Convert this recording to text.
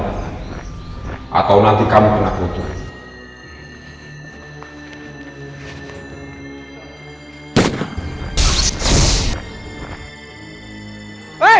batalkan pensiunya berhenti ke hutan narangan